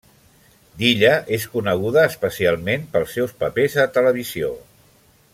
Dilla és coneguda, especialment, pels seus papers a televisió.